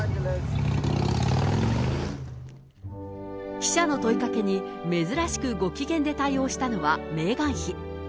記者の問いかけに、珍しくご機嫌で対応したのはメーガン妃。